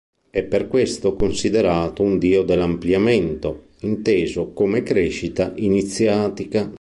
È per questo considerato un Dio dell' "ampliamento", inteso come crescita iniziatica.